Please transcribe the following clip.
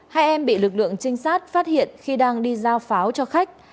hai em bị lực lượng trinh sát phát hiện khi đang đi giao pháo cho khách